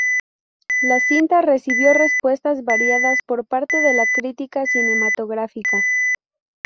La cinta recibió respuestas variadas por parte de la critica cinematográfica.